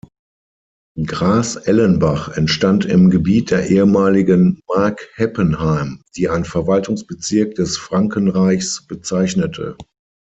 Gras-Ellenbach entstand im Gebiet der ehemaligen "Mark Heppenheim" die ein Verwaltungsbezirk des Frankenreichs bezeichnete.